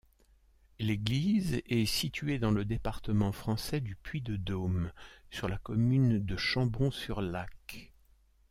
L'église est située dans le département français du Puy-de-Dôme, sur la commune de Chambon-sur-Lac.